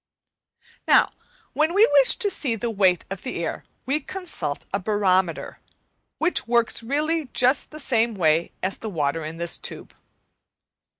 Now when we wish to see the weight of the air we consult a barometer, which works really just in the same way as the water in this tube.